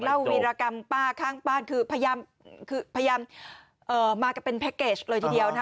วีรกรรมป้าข้างบ้านคือพยายามมากันเป็นแพ็คเกจเลยทีเดียวนะ